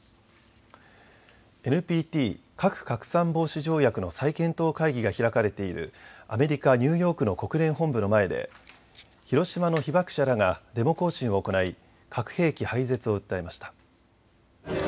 ＮＰＴ・核拡散防止条約の再検討会議が開かれているアメリカ・ニューヨークの国連本部の前で広島の被爆者らがデモ行進を行い、核兵器廃絶を訴えました。